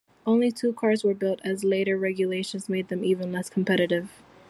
Only two cars were built, as later regulations made them even less competitive.